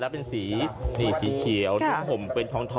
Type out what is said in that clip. แล้วก็สีเขียวฮลุมทอง